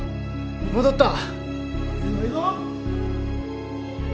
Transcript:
戻った。